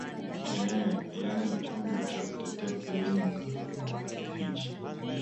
ee yaani chombo cha kutetea kilimo hichi